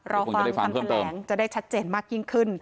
รอฟังคำแถลงจะได้ชัดเจนมากยิ่งขึ้น